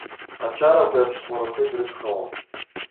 Ачарақәеи аԥсхәрақәеи дрыгхауам.